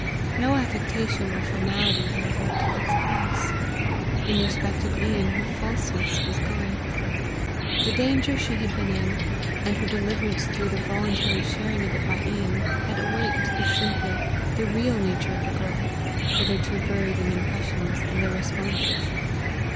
No affectation or formality, however, took its place: in respect of Ian her falseness was gone. The danger she had been in, and her deliverance through the voluntary sharing of it by Ian, had awaked the simpler, the real nature of the girl, hitherto buried in impressions and their responses.